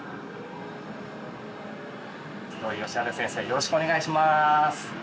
よろしくお願いします！